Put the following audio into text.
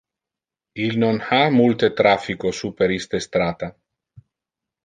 Il non ha multe traffico super iste strata.